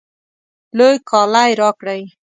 لوی کالی راکړئ